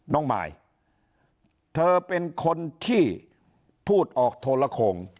น้องมายเธอเป็นคนที่พูดออกโทรโข่ง